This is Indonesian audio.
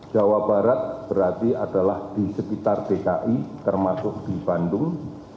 jawa barat berarti adalah di sekitar dki termasuk di bandung